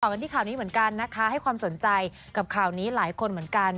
กันที่ข่าวนี้เหมือนกันนะคะให้ความสนใจกับข่าวนี้หลายคนเหมือนกัน